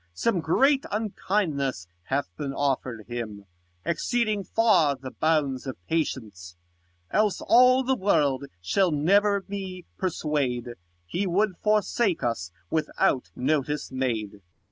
Some great unkindness hath been offer'd him, Exceeding far the bounds of patience : 5 Else all the world shall never me persuade, He would forsake us without notice made.